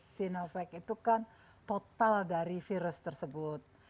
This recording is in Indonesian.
sinovac itu kan total dari virus tersebut